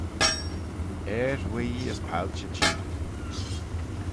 Airh wuigh as palchey j'ee